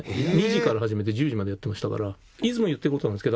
２時から始めて１０時までやってましたから。